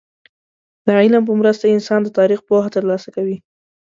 د علم په مرسته انسان د تاريخ پوهه ترلاسه کوي.